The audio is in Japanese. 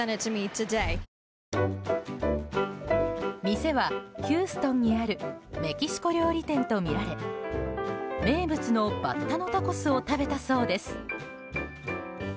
店は、ヒューストンにあるメキシコ料理店とみられ名物のバッタのタコスを食べたそうです。